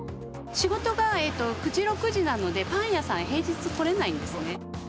仕事が９時・６時なので、パン屋さん、平日来れないんですよね。